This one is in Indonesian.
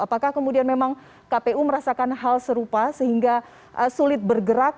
apakah kemudian memang kpu merasakan hal serupa sehingga sulit bergerak